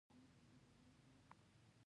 ځانځاني شخړه.